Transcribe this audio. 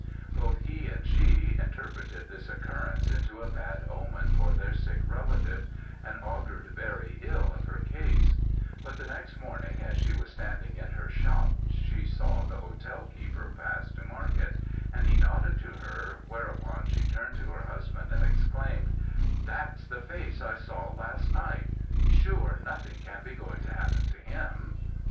"Both he and she interpreted this occurrence into a bad omen for their sick relative, and augured very ill of her case; but the next morning, as she was standing in her shop, she saw the hotel keeper pass to market, and he nodded to her, whereupon she turned to her husband, and exclaimed 'That's the face I saw last night! Sure nothing can be going to happen to him!'